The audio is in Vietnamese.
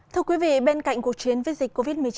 thưa quý vị bên cạnh cuộc chiến với dịch covid một mươi chín